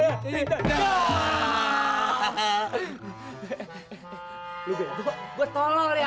lu gila gua tolol ya